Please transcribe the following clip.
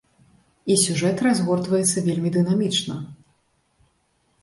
І сюжэт разгортваецца вельмі дынамічна.